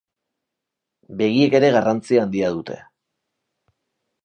Begiek ere garrantzi handia dute.